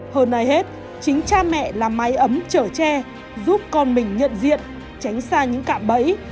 hơn ai hết chính cha mẹ là máy ấm chở tre giúp con mình nhận diện tránh xa những cạn bẫy